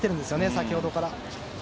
先ほどから。